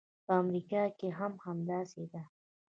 په امریکا کې هم همداسې ده.